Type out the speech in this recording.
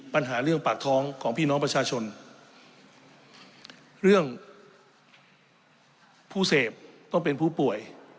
ปัญหาเรื่องปากท้องของพี่น้องประชาชนเรื่องผู้เสพต้องเป็นผู้ป่วย